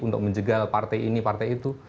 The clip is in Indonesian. untuk menjegal partai ini partai itu